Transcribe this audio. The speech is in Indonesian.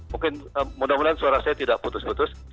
mungkin mudah mudahan suara saya tidak putus putus